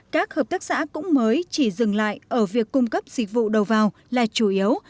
các hợp tác xã cũng mới chỉ dừng lại ở việc cung cấp dịch vụ đầu vào là chủ yếu